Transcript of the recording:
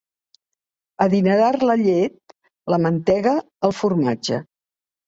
Adinerar la llet, la mantega, el formatge.